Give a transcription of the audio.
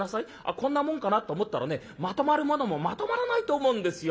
『こんなもんかな』と思ったらねまとまるものもまとまらないと思うんですよ。